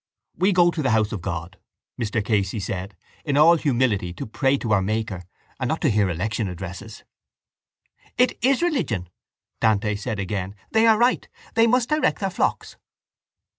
—We go to the house of God, Mr Casey said, in all humility to pray to our Maker and not to hear election addresses. —It is religion, Dante said again. They are right. They must direct their flocks.